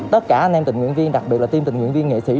tất cả anh em tình nguyện viên đặc biệt là tim tình nguyện viên nghệ sĩ